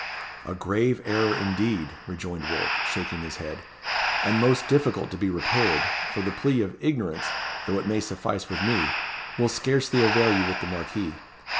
"A grave error indeed," rejoined Wolfe, shaking his head, "and most difficult to be repaired for the plea of ignorance, though it may suffice with me, will scarcely avail you with the Marquis.